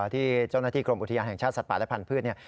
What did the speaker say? ที่เจ้าหน้าที่กรมอุทยานแห่งชาติสัตว์ป่าและพันธุ์